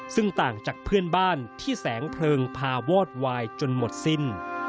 ซึ่งต่างจากเพื่อนบ้านที่แสงเพลิงพาวอดวายจนหมดสิ้น